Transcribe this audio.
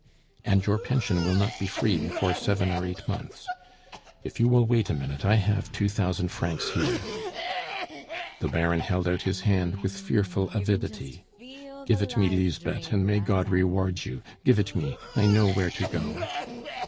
"And your pension will not be free before seven or eight months. If you will wait a minute, I have two thousand francs here." The Baron held out his hand with fearful avidity. "Give it me, Lisbeth, and may God reward you! Give it me; I know where to go."